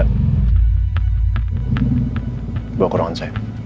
bawa ke ruangan saya